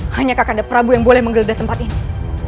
hanyakah kanda prabu yang boleh menggeledah tempat ini